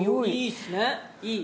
いいっすね、いい。